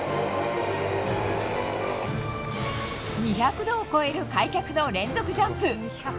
２００度を超える開脚の連続ジャンプ。